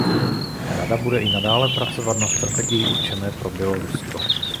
Rada bude i nadále pracovat na strategii určené pro Bělorusko.